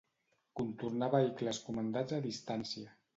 Contornar vehicles comandats a distància.